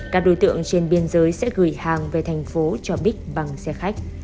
các đối tượng trên biên giới sẽ gửi hàng về thành phố cho bích bằng xe khách